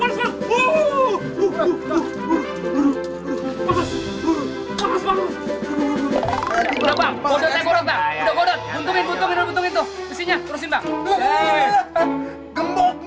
eh jangan begitu dong